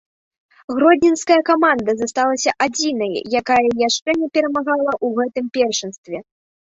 Гродзенская каманда засталася адзінай, якая яшчэ не перамагала ў гэтым першынстве.